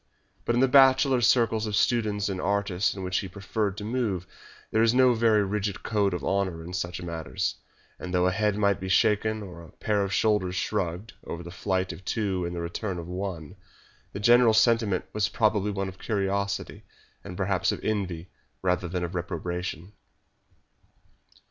But in the bachelor circles of students and artists in which he preferred to move there is no very rigid code of honour in such matters, and though a head might be shaken or a pair of shoulders shrugged over the flight of two and the return of one, the general sentiment was probably one of curiosity and perhaps of envy rather than of reprobation.